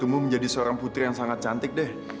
kalau kamu ada ekspresi booksa euh interferencea work